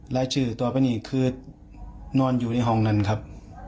รายชื่อต่อไปนี้คือนอนอยู่ในห้องนั้นครับ